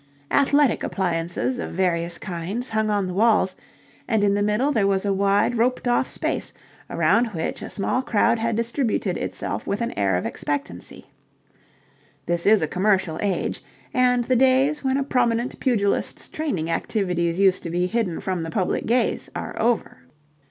Athletic appliances of various kinds hung on the walls and in the middle there was a wide roped off space, around which a small crowd had distributed itself with an air of expectancy. This is a commercial age, and the days when a prominent pugilist's training activities used to be hidden from the public gaze are over.